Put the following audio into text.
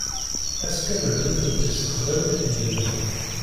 Ass kamel nutenti ssexdament deg-neɣ.